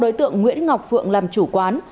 do đối tượng nguyễn ngọc phượng làm chủ quán